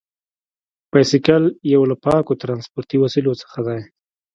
بایسکل یو له پاکو ترانسپورتي وسیلو څخه دی.